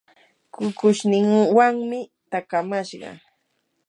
kukushninwanmi taakamashqa.